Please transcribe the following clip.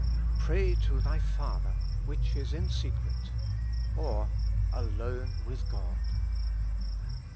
Pray to thy Father, which is in secret ;or, Alone with God.